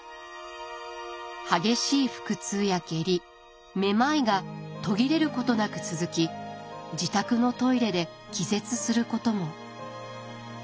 激しい腹痛や下痢めまいが途切れることなく続き自宅のトイレで気絶することも。